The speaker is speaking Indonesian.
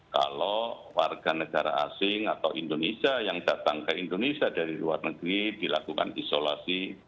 kalau warga negara asing atau indonesia yang datang ke indonesia dari luar negeri dilakukan isolasi